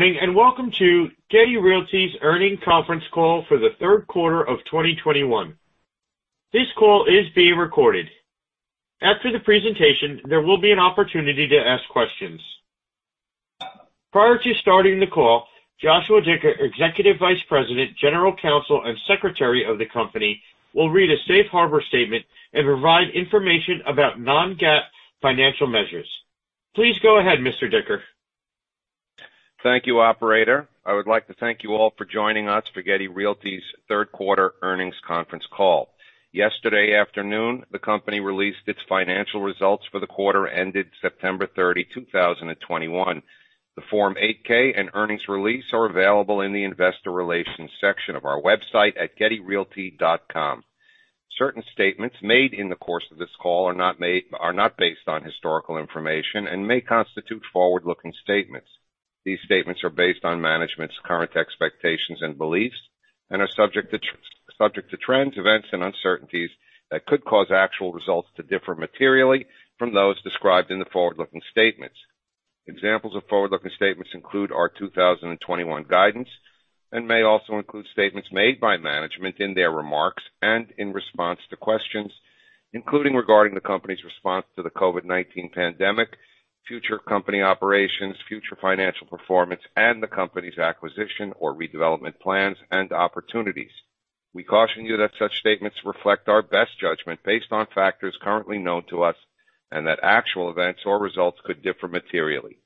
Morning, and welcome to Getty Realty's Earnings Conference Call for the third quarter of 2021. This call is being recorded. After the presentation, there will be an opportunity to ask questions. Prior to starting the call, Joshua Dicker, Executive Vice President, General Counsel, and Secretary of the company, will read a safe harbor statement and provide information about non-GAAP financial measures. Please go ahead, Mr. Dicker. Thank you, Operator. I would like to thank you all for joining us for Getty Realty's third quarter earnings conference call. Yesterday afternoon, the company released its financial results for the quarter ended September 30, 2021. The Form 8-K and earnings release are available in the investor relations section of our website at gettyrealty.com. Certain statements made in the course of this call are not based on historical information and may constitute forward-looking statements. These statements are based on management's current expectations and beliefs and are subject to trends, events, and uncertainties that could cause actual results to differ materially from those described in the forward-looking statements. Examples of forward-looking statements include our 2021 guidance, and may also include statements made by management in their remarks and in response to questions, including regarding the company's response to the COVID-19 pandemic, future company operations, future financial performance, and the company's acquisition or redevelopment plans and opportunities. We caution you that such statements reflect our best judgment based on factors currently known to us, and that actual events or results could differ materially.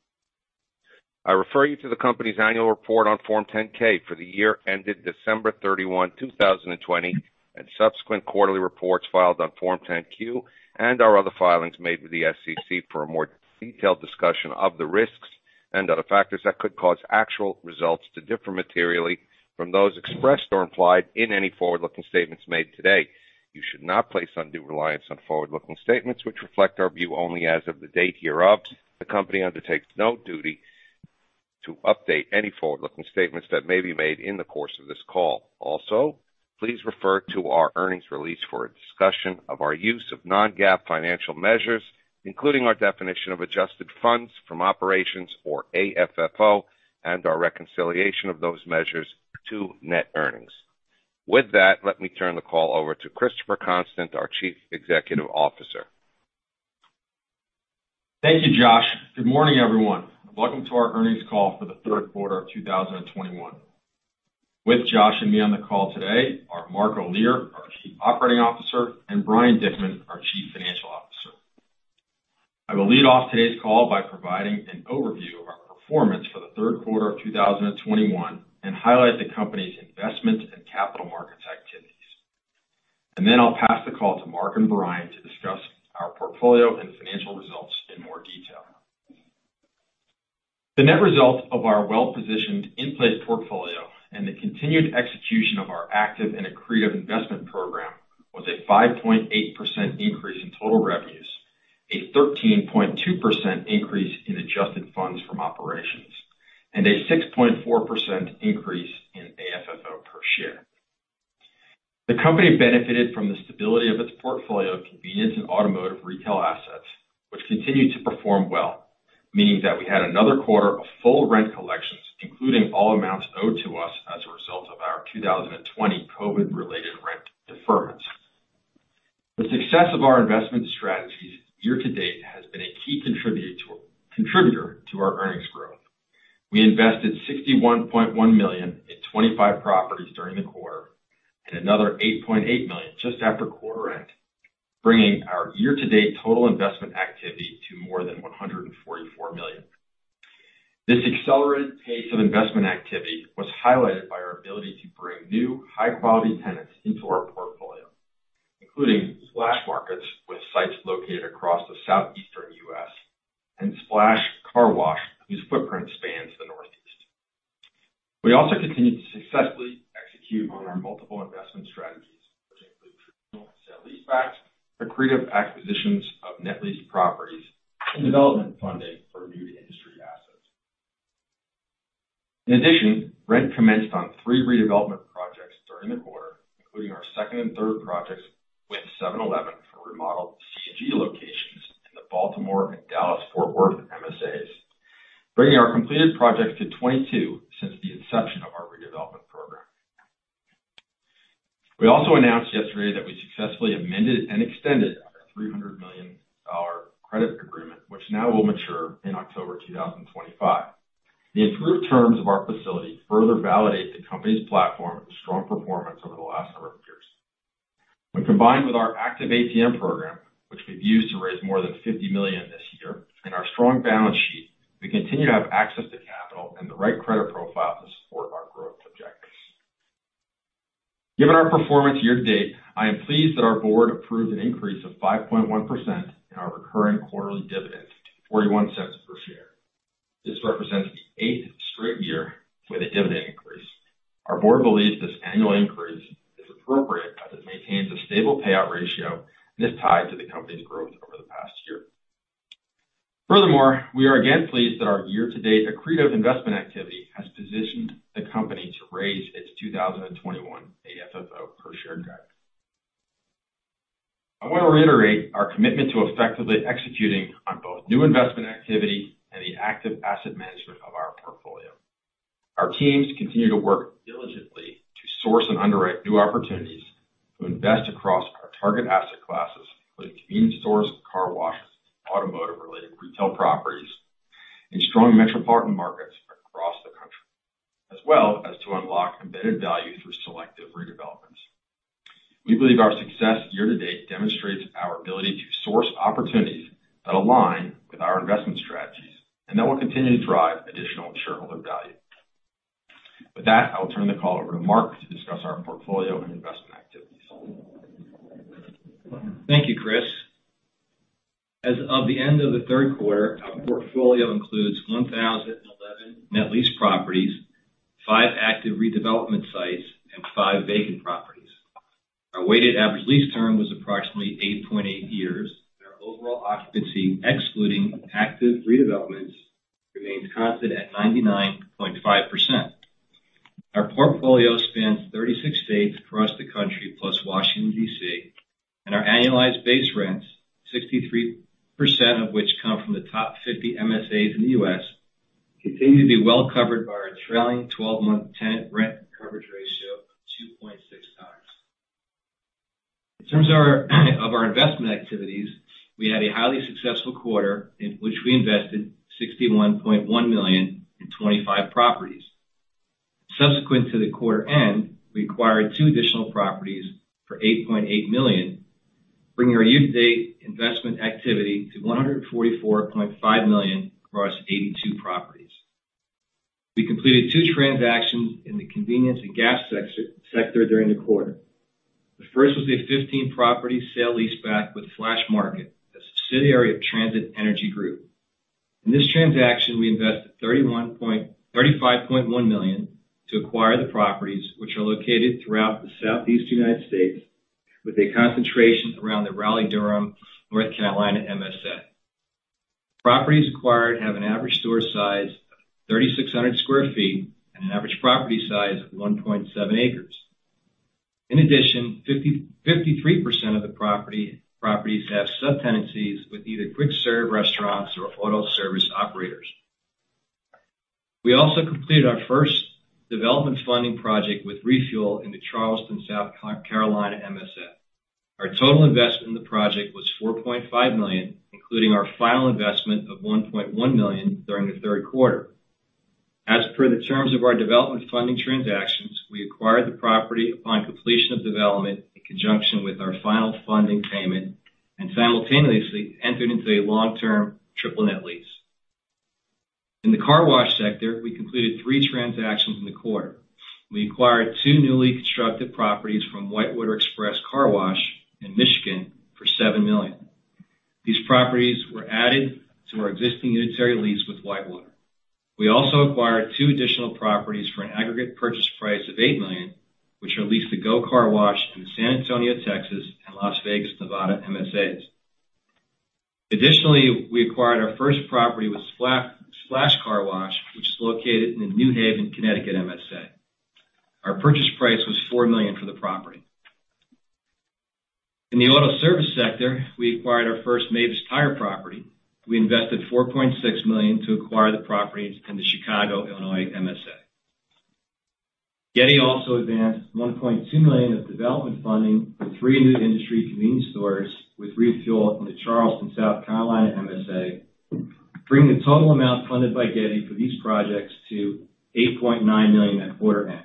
I refer you to the company's annual report on Form 10-K for the year ended December 31, 2020, and subsequent quarterly reports filed on Form 10-Q, and our other filings made with the SEC for a more detailed discussion of the risks and other factors that could cause actual results to differ materially from those expressed or implied in any forward-looking statements made today. You should not place undue reliance on forward-looking statements, which reflect our view only as of the date hereof. The company undertakes no duty to update any forward-looking statements that may be made in the course of this call. Also, please refer to our earnings release for a discussion of our use of non-GAAP financial measures, including our definition of adjusted funds from operations or AFFO and our reconciliation of those measures to net earnings. With that, let me turn the call over to Christopher Constant, our Chief Executive Officer. Thank you, Josh. Good morning, everyone. Welcome to our earnings call for the third quarter of 2021. With Josh and me on the call today are Mark Olear, our Chief Operating Officer, and Brian Dickman, our Chief Financial Officer. I will lead off today's call by providing an overview of our performance for the third quarter of 2021, and highlight the company's investment and capital markets activities. I'll pass the call to Mark and Brian to discuss our portfolio and financial results in more detail. The net result of our well-positioned in-place portfolio and the continued execution of our active and accretive investment program was a 5.8% increase in total revenues, a 13.2% increase in adjusted funds from operations, and a 6.4% increase in AFFO per share. The company benefited from the stability of its portfolio of convenience and automotive retail assets, which continued to perform well, meaning that we had another quarter of full rent collections, including all amounts owed to us as a result of our 2020 COVID-related rent deferments. The success of our investment strategies year to date has been a key contributor to our earnings growth. We invested $61.1 million in 25 properties during the quarter, and another $8.8 million just after quarter end, bringing our year-to-date total investment activity to more than $144 million. This accelerated pace of investment activity was highlighted by our ability to bring new high-quality tenants into our portfolio, including Flash Market, with sites located across the southeastern U.S., and Splash Car Wash, whose footprint spans the Northeast. We also continued to successfully execute on our multiple investment strategies, which include traditional sale-leasebacks, accretive acquisitions of net leased properties, and development funding for new to industry assets. In addition, rent commenced on three redevelopment projects during the quarter, including our second and third projects with 7-Eleven for remodeled C&G locations in the Baltimore and Dallas Fort Worth MSAs, bringing our completed projects to 22 since the inception of our redevelopment program. We also announced yesterday that we successfully amended and extended our $300 million credit agreement, which now will mature in October 2025. The improved terms of our facility further validate the company's platform and strong performance over the last number of years. When combined with our active ATM program, which we've used to raise more than $50 million this year, and our strong balance sheet, we continue to have access to capital and the right credit profile to support our growth objectives. Given our performance year to date, I am pleased that our board approved an increase of 5.1% in our recurring quarterly dividend to $0.41 per share. This represents the eighth straight year with a dividend increase. Our board believes this annual increase is appropriate as it maintains a stable payout ratio and is tied to the company's growth over the past year. Furthermore, we are again pleased that our year-to-date accretive investment activity has positioned the company to raise its 2021 AFFO per share guidance. I want to reiterate our commitment to effectively executing on both new investment activity and the active asset management of our portfolio. Our teams continue to work diligently to source and underwrite new opportunities to invest across our target asset classes, including convenience stores, car washes, automotive related retail properties in strong metropolitan markets across the country, as well as to unlock embedded value through selective redevelopments. We believe our success year-to-date demonstrates our ability to source opportunities that align with our investment strategies, and that will continue to drive additional shareholder value. With that, I will turn the call over to Mark to discuss our portfolio and investment activities. Thank you, Chris. As of the end of the third quarter, our portfolio includes 1,011 net lease properties, five active redevelopment sites, and five vacant properties. Our weighted average lease term was approximately 8.8 years, and our overall occupancy, excluding active redevelopments, remains constant at 99.5%. Our portfolio spans 36 states across the country, plus Washington, D.C., and our annualized base rents, 63% of which come from the top 50 MSAs in the U.S., continue to be well covered by our trailing twelve-month tenant rent coverage ratio of 2.6 times. In terms of our investment activities, we had a highly successful quarter in which we invested $61.1 million in 25 properties. Subsequent to the quarter end, we acquired two additional properties for $8.8 million, bringing our year-to-date investment activity to $144.5 million across 82 properties. We completed two transactions in the convenience and gas sector during the quarter. The first was a 15-property sale-leaseback with Flash Market, a subsidiary of Transit Energy Group. In this transaction, we invested $35.1 million to acquire the properties, which are located throughout the southeastern United States with a concentration around the Raleigh-Durham, North Carolina MSA. Properties acquired have an average store size of 3,600 sq ft and an average property size of 1.7 acres. In addition, 53% of the properties have subtenancies with either quick serve restaurants or auto service operators. We also completed our first development funding project with Refuel in the Charleston, South Carolina MSA. Our total investment in the project was $4.5 million, including our final investment of $1.1 million during the third quarter. As per the terms of our development funding transactions, we acquired the property upon completion of development in conjunction with our final funding payment, and simultaneously entered into a long-term triple net lease. In the car wash sector, we completed three transactions in the quarter. We acquired two newly constructed properties from WhiteWater Express Car Wash in Michigan for $7 million. These properties were added to our existing unitary lease with WhiteWater. We also acquired two additional properties for an aggregate purchase price of $8 million, which are leased to GO Car Wash in San Antonio, Texas, and Las Vegas, Nevada, MSAs. Additionally, we acquired our first property with Splash Car Wash, which is located in New Haven, Connecticut MSA. Our purchase price was $4 million for the property. In the auto service sector, we acquired our first Mavis Discount Tire property. We invested $4.6 million to acquire the property in the Chicago, Illinois MSA. Getty also advanced $1.2 million of development funding for three new industry convenience stores with Refuel in the Charleston, South Carolina MSA, bringing the total amount funded by Getty for these projects to $8.9 million at quarter end.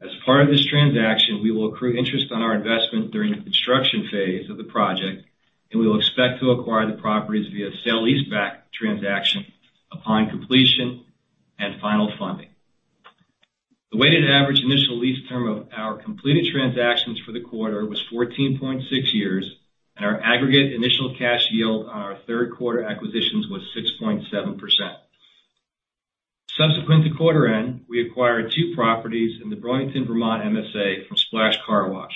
As part of this transaction, we will accrue interest on our investment during the construction phase of the project, and we will expect to acquire the properties via sale-leaseback transaction upon completion and final funding. The weighted average initial lease term of our completed transactions for the quarter was 14.6 years, and our aggregate initial cash yield on our third quarter acquisitions was 6.7%. Subsequent to quarter end, we acquired two properties in the Burlington, Vermont MSA from Splash Car Wash.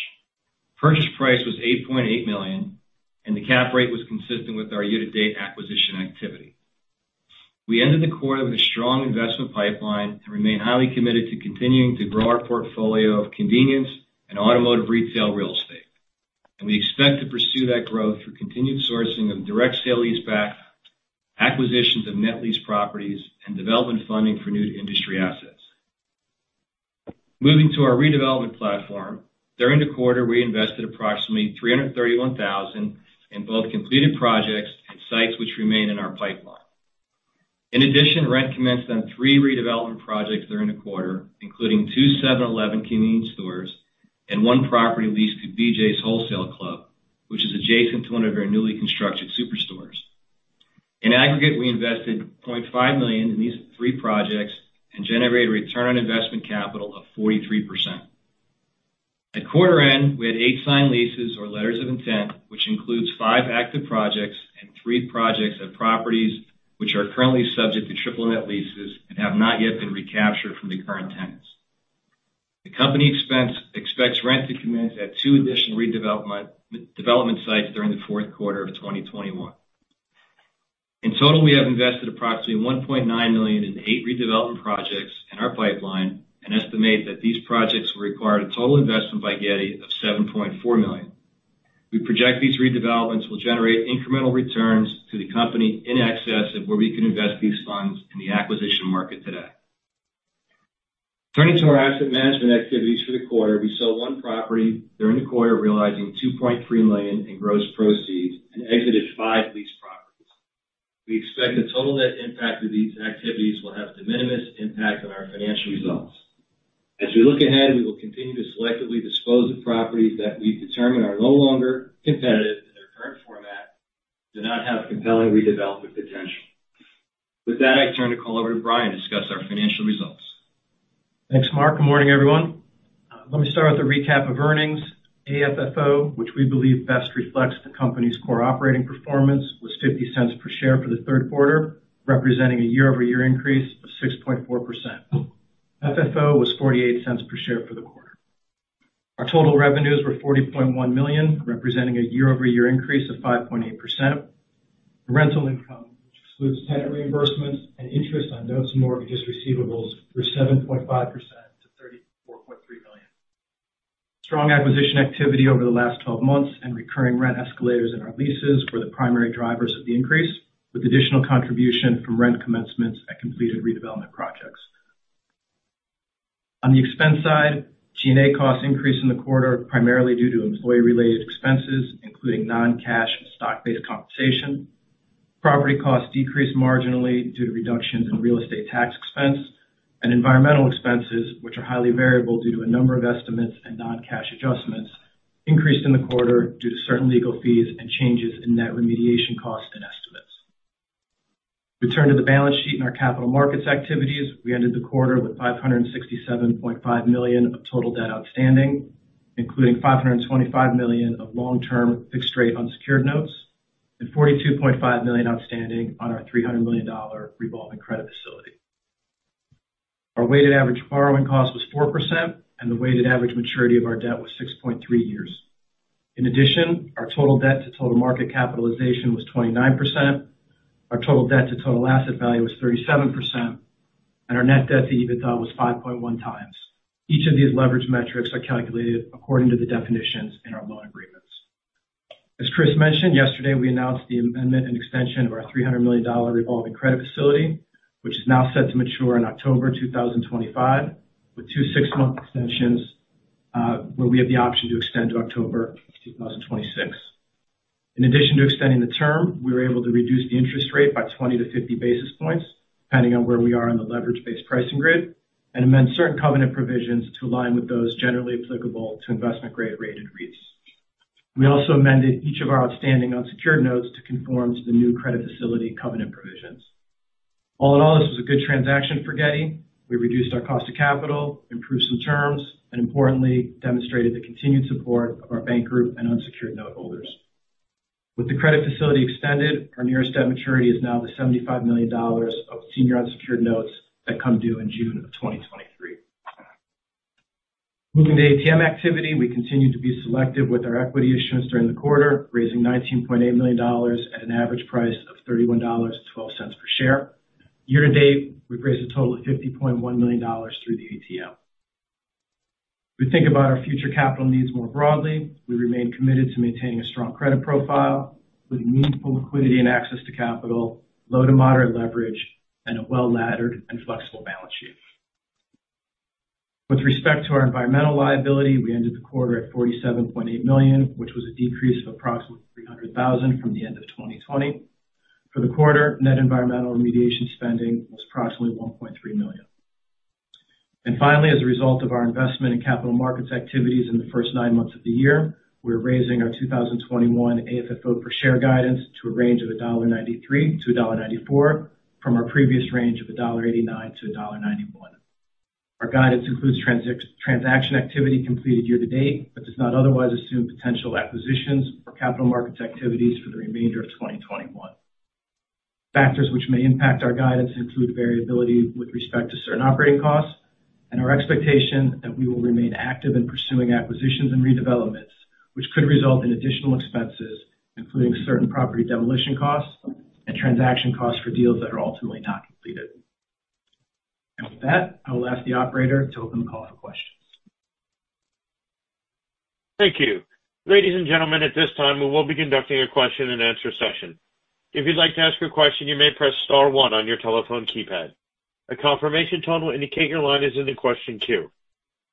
Purchase price was $8.8 million, and the cap rate was consistent with our year-to-date acquisition activity. We ended the quarter with a strong investment pipeline and remain highly committed to continuing to grow our portfolio of convenience and automotive retail real estate. We expect to pursue that growth through continued sourcing of direct sale-leaseback, acquisitions of net lease properties, and development funding for new industry assets. Moving to our redevelopment platform. During the quarter, we invested approximately $331,000 in both completed projects and sites which remain in our pipeline. In addition, rent commenced on three redevelopment projects during the quarter, including two 7-Eleven convenience stores and one property leased to BJ's Wholesale Club, which is adjacent to one of our newly constructed superstores. In aggregate, we invested $0.5 million in these three projects and generated return on investment capital of 43%. At quarter end, we had eight signed leases or letters of intent, which includes five active projects and three projects at properties which are currently subject to triple net leases and have not yet been recaptured from the current tenants. The company expects rent to commence at two additional development sites during the fourth quarter of 2021. In total, we have invested approximately $1.9 million in eight redevelopment projects in our pipeline and estimate that these projects will require a total investment by Getty of $7.4 million. We project these redevelopments will generate incremental returns to the company in excess of where we can invest these funds in the acquisition market today. Turning to our asset management activities for the quarter, we sold one property during the quarter, realizing $2.3 million in gross proceeds and exited five lease properties. We expect the total net impact of these activities will have de minimis impact on our financial results. As we look ahead, we will continue to selectively dispose of properties that we determine are no longer competitive in their current format, do not have compelling redevelopment potential. With that, I turn the call over to Brian to discuss our financial results. Thanks, Mark. Good morning, everyone. Let me start with a recap of earnings. AFFO, which we believe best reflects the company's core operating performance, was $0.50 per share for the third quarter, representing a year-over-year increase of 6.4%. FFO was $0.48 per share for the quarter. Our total revenues were $40.1 million, representing a year-over-year increase of 5.8%. Rental income, which excludes tenant reimbursements and interest on notes and mortgages receivables, grew 7.5% to $34.3 million. Strong acquisition activity over the last 12 months and recurring rent escalators in our leases were the primary drivers of the increase, with additional contribution from rent commencements at completed redevelopment projects. On the expense side, G&A costs increased in the quarter, primarily due to employee-related expenses, including non-cash stock-based compensation. Property costs decreased marginally due to reductions in real estate tax expense. Environmental expenses, which are highly variable due to a number of estimates and non-cash adjustments, increased in the quarter due to certain legal fees and changes in net remediation costs and estimates. We turn to the balance sheet and our capital markets activities. We ended the quarter with $567.5 million of total debt outstanding, including $525 million of long-term fixed-rate unsecured notes and $42.5 million outstanding on our $300 million revolving credit facility. Our weighted average borrowing cost was 4%, and the weighted average maturity of our debt was 6.3 years. In addition, our total debt to total market capitalization was 29%. Our total debt to total asset value was 37%, and our net debt to EBITDA was 5.1x. Each of these leverage metrics are calculated according to the definitions in our loan agreements. As Chris mentioned yesterday, we announced the amendment and extension of our $300 million revolving credit facility, which is now set to mature in October 2025, with two six-month extensions, where we have the option to extend to October 2026. In addition to extending the term, we were able to reduce the interest rate by 20-50 basis points, depending on where we are in the leverage-based pricing grid, and amend certain covenant provisions to align with those generally applicable to investment-grade rated REITs. We also amended each of our outstanding unsecured notes to conform to the new credit facility covenant provisions. All in all, this was a good transaction for Getty. We reduced our cost of capital, improved some terms, and importantly, demonstrated the continued support of our bank group and unsecured noteholders. With the credit facility extended, our nearest debt maturity is now the $75 million of senior unsecured notes that come due in June of 2023. Moving to ATM activity, we continue to be selective with our equity issuance during the quarter, raising $19.8 million at an average price of $31.12 per share. Year to date, we've raised a total of $50.1 million through the ATM. We think about our future capital needs more broadly. We remain committed to maintaining a strong credit profile with meaningful liquidity and access to capital, low to moderate leverage, and a well-laddered and flexible balance sheet. With respect to our environmental liability, we ended the quarter at $47.8 million, which was a decrease of approximately $300,000 from the end of 2020. For the quarter, net environmental remediation spending was approximately $1.3 million. Finally, as a result of our investment in capital markets activities in the first nine months of the year, we're raising our 2021 AFFO per share guidance to a range of $1.93-$1.94 from our previous range of $1.89-$1.91. Our guidance includes transaction activity completed year to date, but does not otherwise assume potential acquisitions or capital markets activities for the remainder of 2021. Factors which may impact our guidance include variability with respect to certain operating costs and our expectation that we will remain active in pursuing acquisitions and redevelopments, which could result in additional expenses, including certain property demolition costs and transaction costs for deals that are ultimately not completed. With that, I will ask the operator to open the call for questions. Thank you. Ladies and gentlemen, at this time, we will be conducting a question-and-answer session. If you'd like to ask a question, you may press star one on your telephone keypad. A confirmation tone will indicate your line is in the question queue.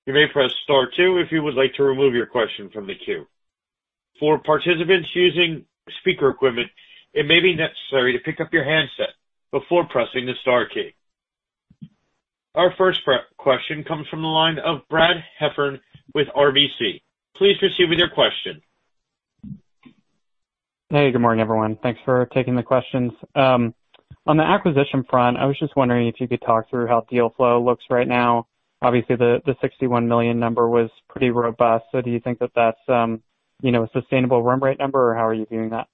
You may press star two if you would like to remove your question from the queue. For participants using speaker equipment, it may be necessary to pick up your handset before pressing the star key. Our first question comes from the line of Brad Heffern with RBC. Please proceed with your question. Hey, good morning, everyone. Thanks for taking the questions. On the acquisition front, I was just wondering if you could talk through how deal flow looks right now. Obviously, the $61 million number was pretty robust. Do you think that that's a sustainable run rate number, or how are you viewing that?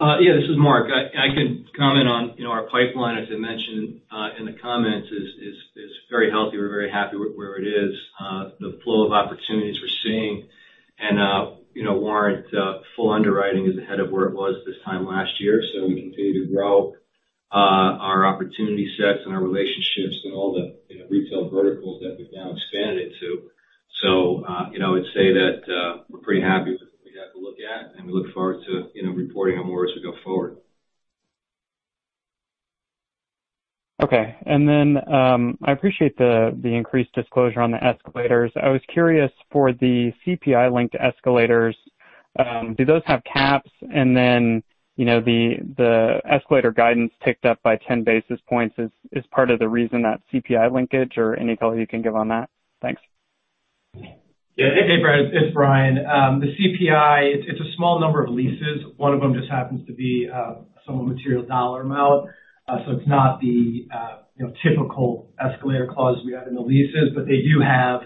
Yeah, this is Mark. I can comment on, you know, our pipeline, as I mentioned, in the comments, is very healthy. We're very happy with where it is. The flow of opportunities we're seeing and, you know, warrant full underwriting is ahead of where it was this time last year. We continue to grow our opportunity sets and our relationships and all the, you know, retail verticals that we've now expanded into. You know, I'd say that, we're pretty happy with what we have to look at, and we look forward to, you know, reporting on more as we go forward. Okay. I appreciate the increased disclosure on the escalators. I was curious for the CPI-linked escalators, do those have caps? You know, the escalator guidance ticked up by 10 basis points is part of the reason that CPI linkage or any color you can give on that? Thanks. Yeah. Hey, Brad. It's Brian. The CPI, it's a small number of leases. One of them just happens to be somewhat material dollar amount. It's not the, you know, typical escalator clause we have in the leases. They do have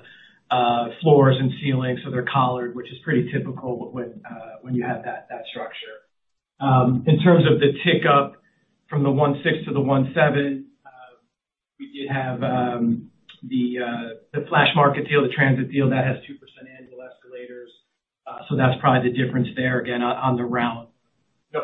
floors and ceilings, so they're collared, which is pretty typical when you have that structure. In terms of the tick up from the 1.6% to the 1.7%, we did have the Flash Market deal, the Transit deal that has 2% annual escalators. That's probably the difference there again on the round.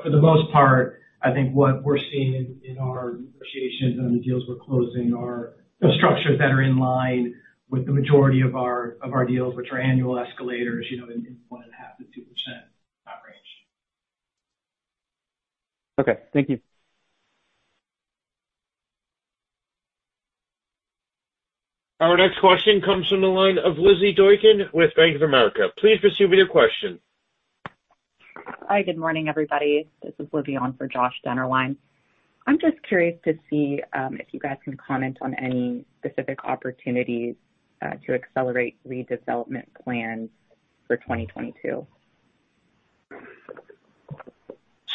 For the most part, I think what we're seeing in our negotiations and the deals we're closing are the structures that are in line with the majority of our deals, which are annual escalators, you know, in 1.5%-2% range. Okay, thank you. Our next question comes from the line of Lizzie Doykan with Bank of America. Please proceed with your question. Hi, good morning, everybody. This is Lizzie on for Joshua Dennerlein. I'm just curious to see if you guys can comment on any specific opportunities to accelerate redevelopment plans for 2022.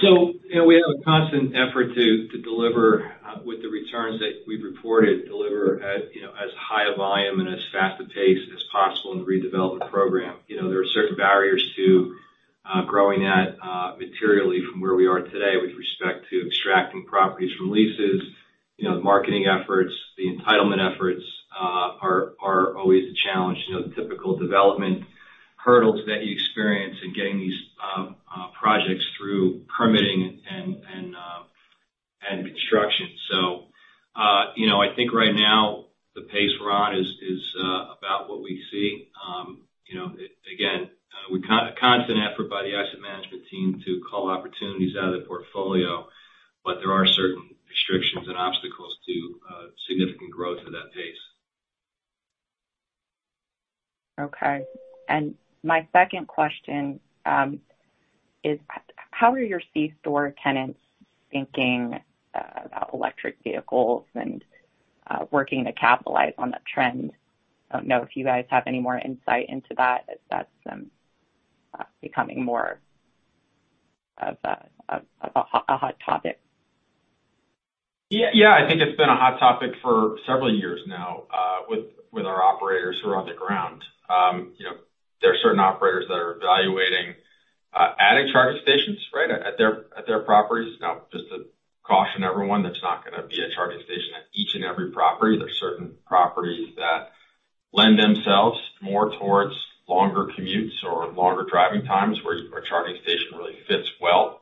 You know, we have a constant effort to deliver with the returns that we've reported, deliver at you know as high a volume and as fast a pace as possible in the redevelopment program. You know, there are certain barriers to growing that materially from where we are today with respect to extracting properties from leases. You know, the marketing efforts, the entitlement efforts are always a challenge. You know, the typical development hurdles that you experience in getting these projects through permitting and construction. You know, I think right now the pace we're on is about what we see. You know, again, we have a constant effort by the asset management team to call opportunities out of the portfolio, but there are certain restrictions and obstacles to significant growth at that pace. Okay. My second question is how are your C-store tenants thinking about electric vehicles and working to capitalize on that trend? I don't know if you guys have any more insight into that as that's becoming more of a hot topic. Yeah. Yeah. I think it's been a hot topic for several years now, with our operators who are on the ground. You know, there are certain operators that are evaluating adding charging stations, right, at their properties. Now, just to caution everyone, that's not gonna be a charging station at each and every property. There are certain properties that lend themselves more towards longer commutes or longer driving times where a charging station really fits well.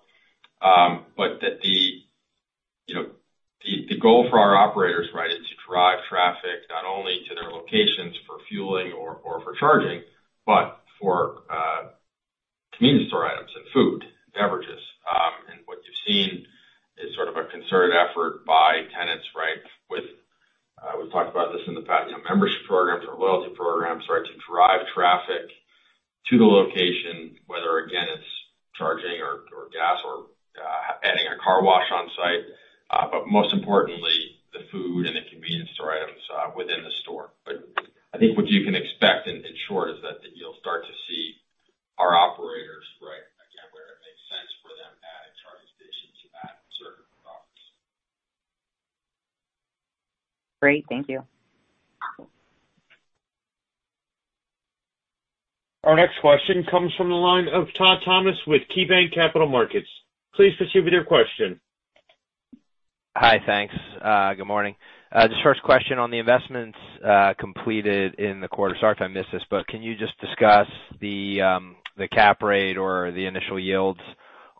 You know, the goal for our operators, right, is to drive traffic not only to their locations for fueling or for charging, but for convenience store items and food, beverages. What you've seen is sort of a concerted effort by tenants, right, with we've talked about this in the past, you know, membership programs or loyalty programs, right, to drive traffic to the location, whether again, it's charging or gas or adding a car wash on site. Most importantly, the food and the convenience store items within the store. I think what you can expect in short is that you'll start to see our operators, right, again, where it makes sense for them, adding charging stations at certain properties. Great. Thank you. Our next question comes from the line of Todd Thomas with KeyBanc Capital Markets. Please proceed with your question. Hi. Thanks. Good morning. Just first question on the investments completed in the quarter. Sorry if I missed this, but can you just discuss the cap rate or the initial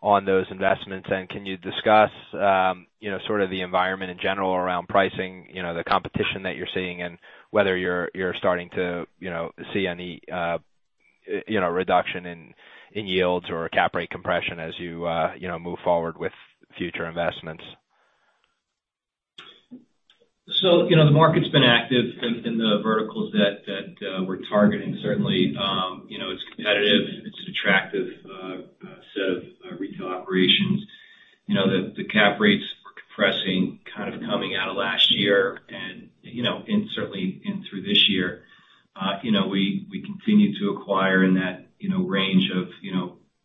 yields on those investments? Can you discuss you know sort of the environment in general around pricing, you know, the competition that you're seeing and whether you're starting to you know see any you know reduction in yields or cap rate compression as you you know move forward with future investments? The market's been active in the verticals that we're targeting. Certainly, it's competitive, it's attractive set of retail operations. The cap rates were compressing kind of coming out of last year and certainly in through this year. We continue to acquire in that range of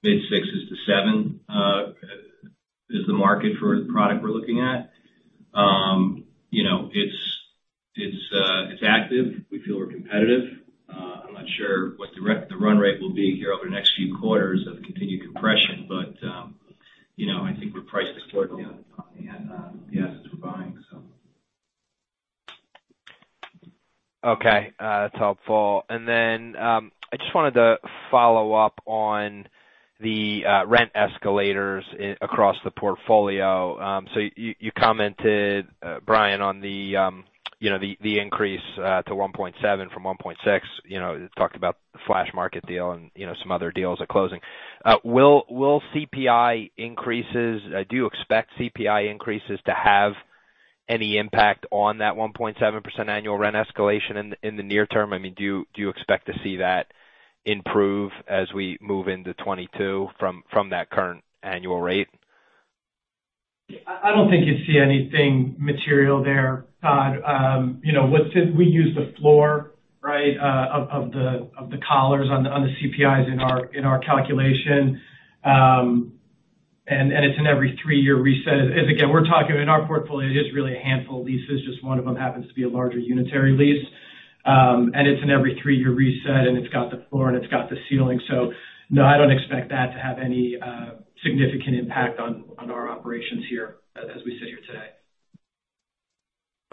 mid-sixs to seven is the market for the product we're looking at. It's active. We feel we're competitive. I'm not sure what the run rate will be here over the next few quarters of the continued compression. I think we're priced accordingly on the asset side. Okay. That's helpful. I just wanted to follow up on the rent escalators across the portfolio. So you commented, Brian, on you know, the increase to 1.7 from 1.6. You know, talked about the Flash Market deal and, you know, some other deals are closing. Do you expect CPI increases to have any impact on that 1.7% annual rent escalation in the near term? I mean, do you expect to see that improve as we move into 2022 from that current annual rate? I don't think you'd see anything material there, Todd. You know, we use the floor, right, of the collars on the CPIs in our calculation. And it's in every three-year reset. As again, we're talking in our portfolio, it is really a handful of leases, just one of them happens to be a larger unitary lease. And it's in every three-year reset, and it's got the floor and it's got the ceiling. No, I don't expect that to have any significant impact on our operations here as we sit here today.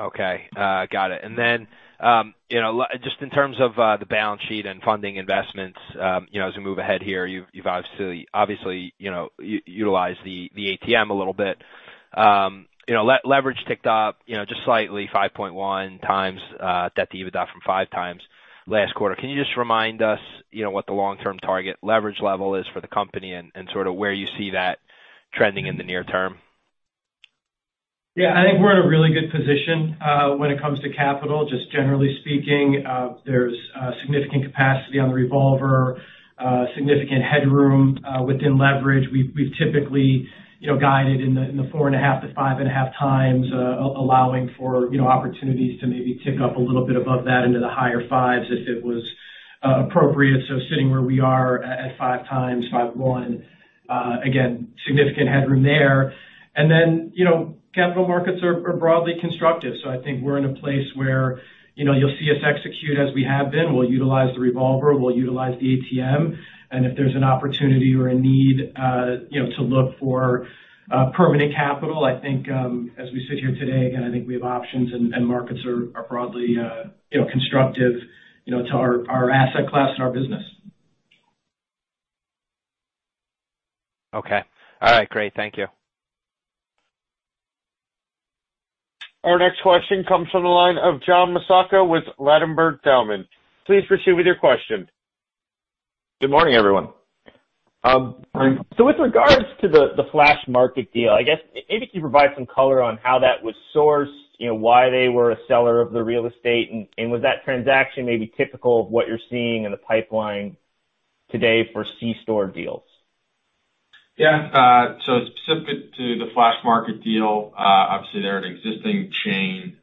Okay. Got it. You know, just in terms of the balance sheet and funding investments, you know, as we move ahead here, you've obviously utilized the ATM a little bit. You know, leverage ticked up just slightly 5.1x debt to EBITDA from 5x last quarter. Can you just remind us, you know, what the long-term target leverage level is for the company and sort of where you see that trending in the near term? Yeah. I think we're in a really good position when it comes to capital. Just generally speaking, there's significant capacity on the revolver, significant headroom within leverage. We've typically, you know, guided in the 4.5-5.5x, allowing for, you know, opportunities to maybe tick up a little bit above that into the higher fives if it was appropriate. Sitting where we are at 5x, 5.1, again, significant headroom there. Capital markets are broadly constructive. I think we're in a place where, you know, you'll see us execute as we have been. We'll utilize the revolver, we'll utilize the ATM. If there's an opportunity or a need, you know, to look for permanent capital, I think, as we sit here today, again, I think we have options and markets are broadly, you know, constructive, you know, to our asset class and our business. Okay. All right. Great. Thank you. Our next question comes from the line of John Massocca with Ladenburg Thalmann. Please proceed with your question. Good morning, everyone. With regards to the Flash Market deal, I guess, if you could provide some color on how that was sourced, you know, why they were a seller of the real estate, and was that transaction maybe typical of what you're seeing in the pipeline today for C store deals? Yeah. So specific to the Flash Market deal, obviously they're an existing chain.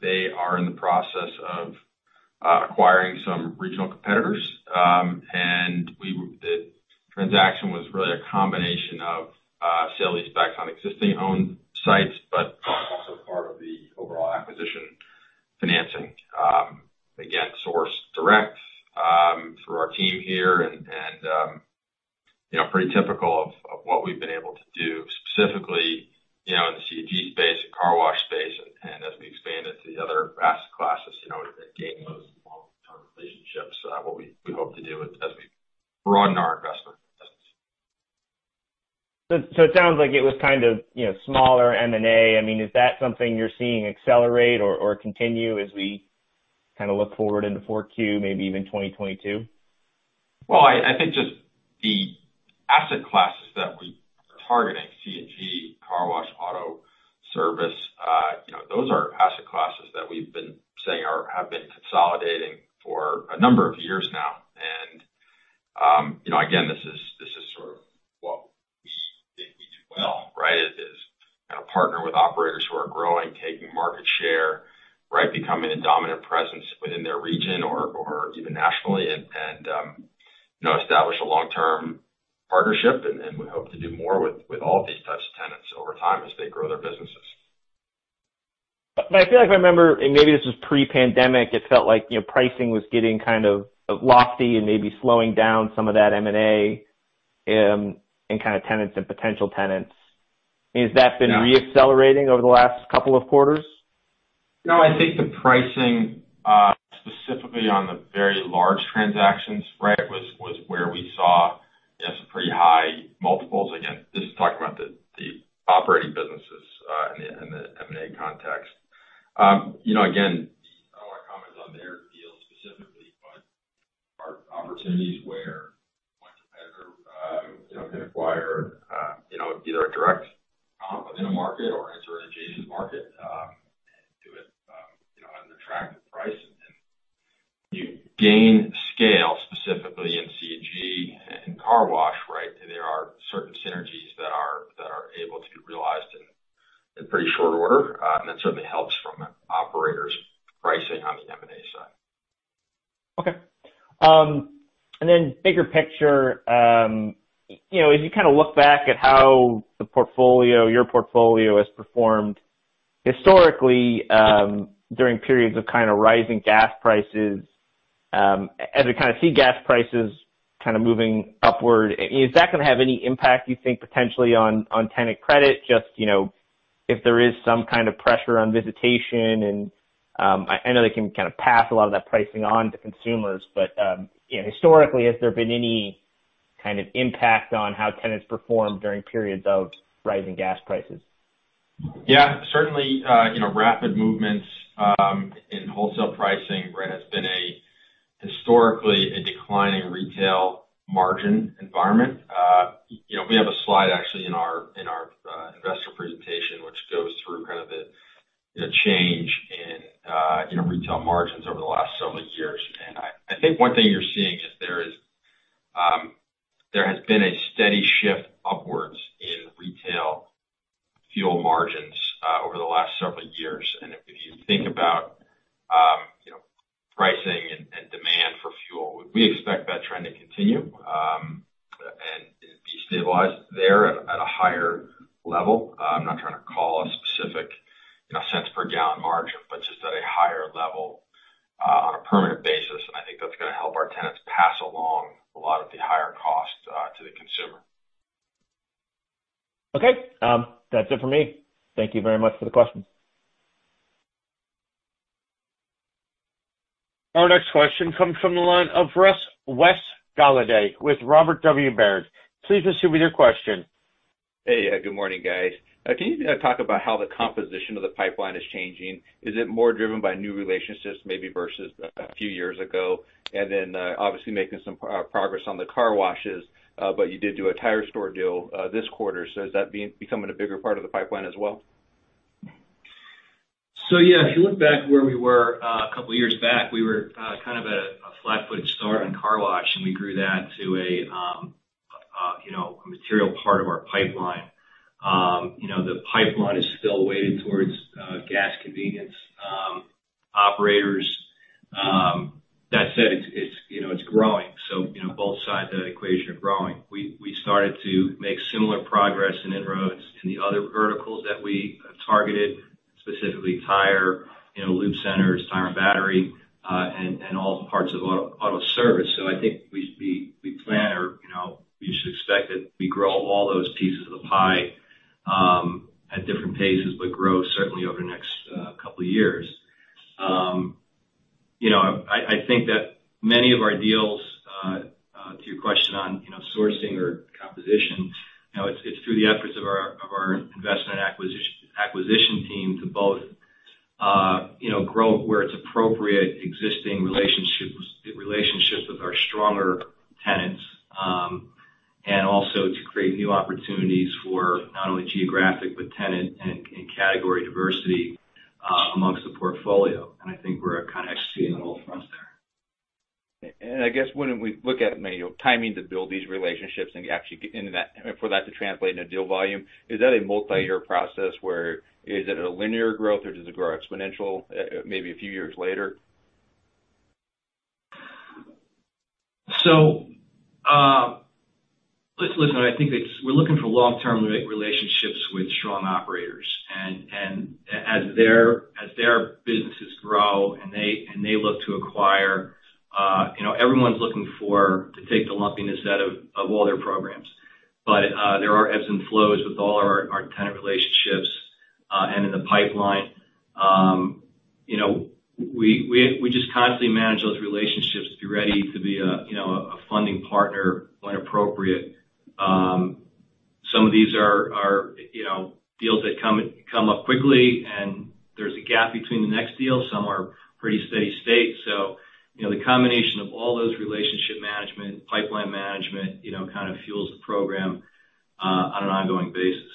They are in the process of acquiring some regional competitors. The transaction was really a combination of sale-leasebacks on existing owned sites, but also part of the overall acquisition financing. Again, sourced direct through our team here and, you know, pretty typical of what we've been able to do specifically, you know, in the C&G space and car wash space. As we expand into the other asset classes, you know, we gain those long-term relationships. That's what we hope to do as we broaden our investment thesis. It sounds like it was kind of, you know, smaller M&A. I mean, is that something you're seeing accelerate or continue as we kinda look forward into 4Q, maybe even 2022? Well, I think just the asset classes that we are targeting, C&G, car wash, auto service, you know, those are asset classes that we've been saying have been consolidating for a number of years now. You know, again, this is sort of what we think we do well, right? Is kind of partner with operators who are growing, taking market share, right? Becoming a dominant presence within their region or even nationally and you know, establish a long-term partnership. We hope to do more with all of these types of tenants over time as they grow their businesses. I feel like I remember, and maybe this was pre-pandemic, it felt like, you know, pricing was getting kind of lofty and maybe slowing down some of that M&A, and kind of tenants and potential tenants. Has that been re-accelerating over the last couple of quarters? No, I think the pricing, specifically on the very large transactions, right, was where we saw, I guess, pretty high multiples. Again, this is talking about the operating businesses in the M&A context. You know, again, I don't wanna comment on their deal specifically, but there are opportunities where one competitor, you know, can acquire, you know, either a direct comp within a market or enter an adjacent market, and do it, you know, at an attractive price. You gain scale, specifically in C&G and car wash, right? There are certain synergies that are able to be realized in pretty short order. That certainly helps from an operator's pricing on the M&A side. Okay. Bigger picture, you know, as you kind of look back at how the portfolio, your portfolio has performed historically, during periods of kind of rising gas prices, as we kind of see gas prices kind of moving upward, is that gonna have any impact, you think, potentially on tenant credit, just, you know, if there is some kind of pressure on visitation and, I know they can kind of pass a lot of that pricing on to consumers, but, you know, historically, has there been any kind of impact on how tenants perform during periods of rising gas prices? Yeah, certainly, you know, rapid movements in wholesale pricing, right, has been historically a declining retail margin environment. We have a slide actually in our investor presentation, which goes through kind of the change in retail margins over the last several years. I think one thing you're seeing is there has been a steady shift upwards in retail fuel margins over the last several years. If you think about you know, pricing and demand for fuel, we expect that trend to continue and be stabilized there at a higher level. I'm not trying to call a specific you know, cents per gallon margin, but just at a higher level on a permanent basis. I think that's gonna help our tenants pass along a lot of the higher costs to the consumer. Okay. That's it for me. Thank you very much for the question. Our next question comes from the line of Wes Golladay with Robert W. Baird. Please proceed with your question. Hey. Good morning, guys. Can you talk about how the composition of the pipeline is changing? Is it more driven by new relationships maybe versus a few years ago? Obviously making some progress on the car washes, but you did do a tire store deal this quarter, so is that becoming a bigger part of the pipeline as well? Yeah, if you look back where we were a couple years back, we were kind of a flat-footed start on car wash, and we grew that to you know a material part of our pipeline. You know, the pipeline is still weighted towards gas convenience operators. That said, it's you know it's growing, you know both sides of that equation are growing. We plan or you know we should expect that we grow all those pieces of the pie at different paces, but grow certainly over the next couple years. You know, I think that many of our deals to your question on, you know, sourcing or composition, you know, it's through the efforts of our investment acquisition team to both, you know, grow where it's appropriate existing relationships with our stronger tenants, and also to create new opportunities for not only geographic but tenant and category diversity amongst the portfolio. I think we're kind of succeeding on all fronts there. I guess when we look at, you know, timing to build these relationships and actually get into that, for that to translate into deal volume, is that a multi-year process or is it a linear growth or does it grow exponential, maybe a few years later? Listen, I think we're looking for long-term relationships with strong operators and as their businesses grow and they look to acquire, you know, everyone's looking to take the lumpiness out of all their programs. There are ebbs and flows with all our tenant relationships and in the pipeline. You know, we just constantly manage those relationships to be ready to be a, you know, a funding partner when appropriate. Some of these are, you know, deals that come up quickly and there's a gap between the next deal. Some are pretty steady state. You know, the combination of all those relationship management, pipeline management, you know, kind of fuels the program on an ongoing basis.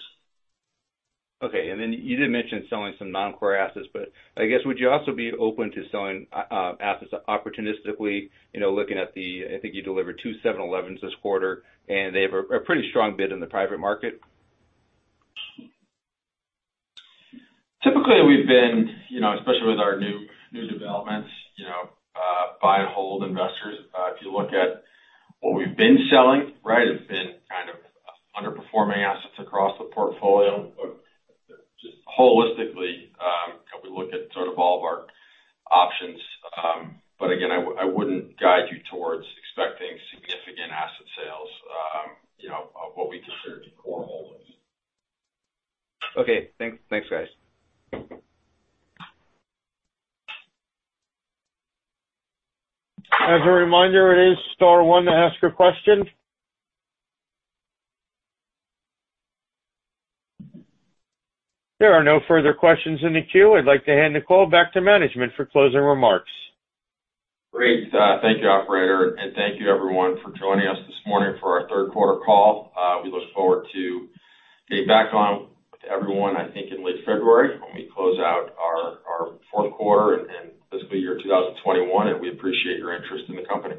Okay. You did mention selling some non-core assets, but I guess would you also be open to selling assets opportunistically, you know, looking at the, I think you delivered two 7-Eleven this quarter, and they have a pretty strong bid in the private market? Typically, we've been, you know, especially with our new developments, you know, question. There are no further questions in the queue. I'd like to hand the call back to management for closing remarks. Great. Thank you, operator, and thank you everyone for joining us this morning for our third quarter call. We look forward to getting back on with everyone, I think, in late February when we close out our fourth quarter and fiscal year 2021, and we appreciate your interest in the company.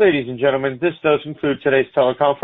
Ladies and gentlemen, this does conclude today's teleconference.